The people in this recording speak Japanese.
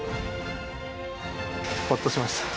ほっとしました。